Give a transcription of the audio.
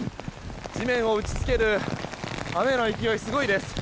地面を打ち付ける雨の勢いすごいです。